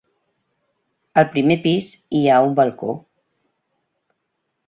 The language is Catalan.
Al primer pis hi ha un balcó.